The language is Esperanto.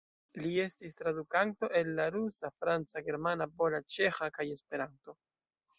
Li estis tradukanto el la rusa, franca, germana, pola, ĉeĥa kaj Esperanto.